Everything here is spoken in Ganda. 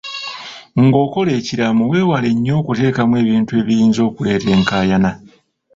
Ng'okola ekiraamo weewale nnyo okuteekamu ebintu ebiyinza okuleeta enkaayana.